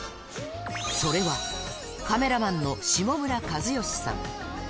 それは、カメラマンの下村一喜さん。